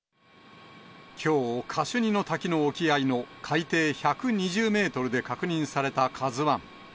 きょう、カシュニの滝の沖合の海底１２０メートルで確認されたカズワン。